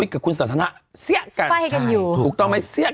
ถูกต้องมั้ย